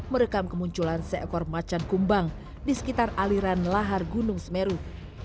merekam kemunculan seekor macan kumbang di sekitar aliran lahar gunung semeru